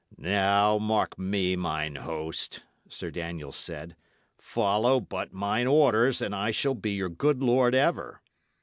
"Now, mark me, mine host," Sir Daniel said, "follow but mine orders, and I shall be your good lord ever.